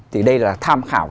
thì đây là tham khảo